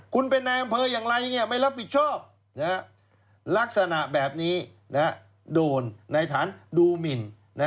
คุณเป็นนายอำเภออย่างไรไม่รับผิดชอบลักษณะแบบนี้โดนในฐานดูหมิน